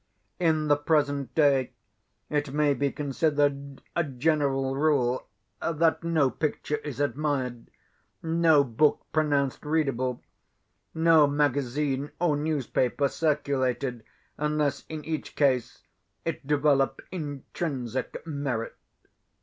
In the present day, it may be considered a general rule, that no picture is admired, no book pronounced readable, no magazine or newspaper circulated, unless in each case it develope intrinsic merit.